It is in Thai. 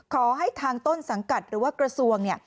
ขอให้ทางต้นสังกัดหรือว่ากระทรวง